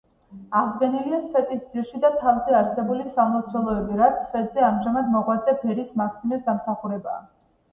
აღდგენილია სვეტის ძირში და თავზე არსებული სამლოცველოები, რაც სვეტზე ამჟამად მოღვაწე ბერი მაქსიმეს დამსახურებაა.